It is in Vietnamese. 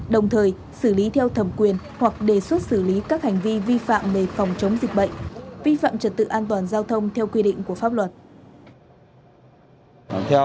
đồng thời xử lý theo thẩm quyền hoặc đề xuất xử lý các hành vi vi phạm về phòng chống dịch bệnh vi phạm trật tự an toàn giao thông theo quy định của pháp luật